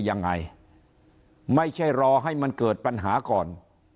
ยังไงไม่ใช่รอให้มันเกิดปัญหาก่อน